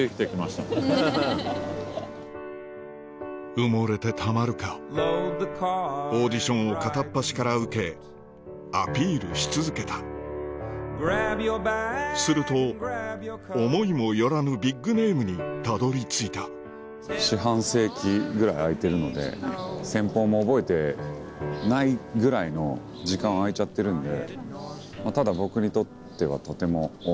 埋もれてたまるかオーディションを片っ端から受けアピールし続けたすると思いも寄らぬビッグネームにたどり着いた四半世紀ぐらい空いてるので先方も覚えてないぐらいの時間空いちゃってるんで。